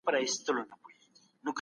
خلګ د خپل هیواد دننه د سفر حق لري.